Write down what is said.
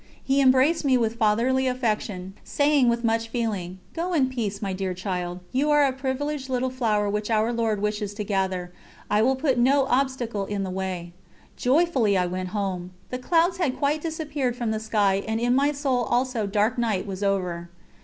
He embraced me with fatherly affection, saying with much feeling: "Go in peace, my dear child, you are a privileged little flower which Our Lord wishes to gather. I will put no obstacle in the way." Joyfully I went home. ... The clouds had quite disappeared from the sky, and in my soul also dark night was over.